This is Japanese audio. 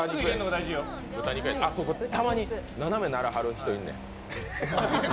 たまに斜めにならはる人いるねん。